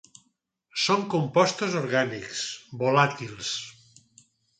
Són compostos orgànics volàtils.